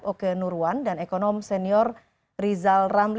oke nurwan dan ekonom senior rizal ramli